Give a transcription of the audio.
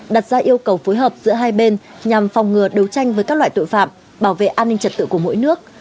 đặt ra yêu cầu phối hợp giữa hai bên nhằm phòng ngừa đấu tranh với các loại tội phạm bảo vệ an ninh trật tự của mỗi nước